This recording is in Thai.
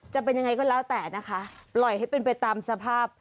จะเป็นยังไงก็แล้วแต่นะคะปล่อยให้เป็นไปตามสภาพ